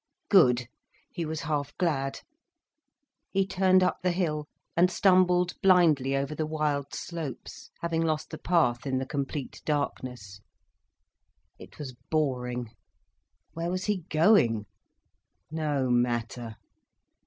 Good—he was half glad. He turned up the hill, and stumbled blindly over the wild slopes, having lost the path in the complete darkness. It was boring. Where was he going? No matter.